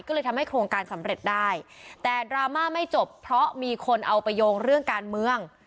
ก็เลยทำให้โครงการสำเร็จได้แต่ดราม่าไม่จบเพราะมีคนเอาไปโยงเรื่องการเมือง